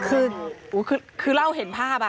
อู้วคือเล่าเห็นภาพอ่ะ